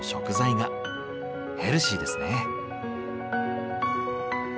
ヘルシーですね。